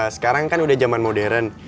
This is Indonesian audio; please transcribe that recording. sekarang kan udah zaman modern